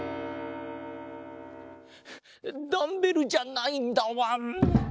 ダンベルじゃないんだわん。